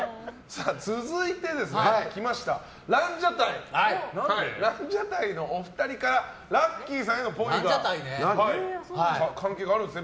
続いてランジャタイのお二人からラッキィさんへの、っぽいが。関係があるんですね。